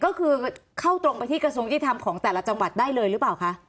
ก็คือเข้าตรงไปที่กระทรวงยุติธรรมของแต่ละจังหวัดได้เลยหรือเปล่าคะ